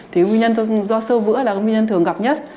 thì nguyên nhân do sơ vữa là nguyên nhân thường gặp nhất